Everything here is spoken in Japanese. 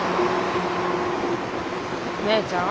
姉ちゃん？